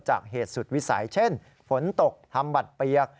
เหตุสุดวิสัยเช่นฝนตกทำบัตรเปียก